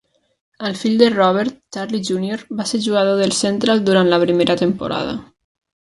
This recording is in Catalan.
El fill de Robert, Charlie Junior, va ser jugador del Central durant la primera temporada.